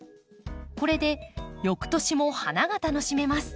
これで翌年も花が楽しめます。